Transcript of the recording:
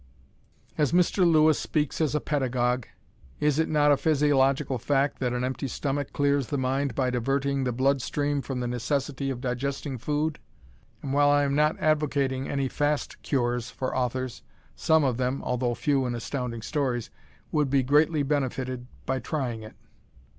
As Mr. Lewis speaks as a pedagogue, is it not a physiological fact that an empty stomach clears the mind by diverting the blood stream from the necessity of digesting food? And while I am not advocating any fast cures for authors, some of them (although few in Astounding Stories) would be greatly benefited by trying it.